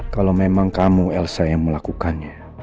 kalau memang kamu elsa yang melakukannya